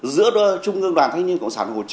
giữa trung ương đoàn thanh niên cộng sản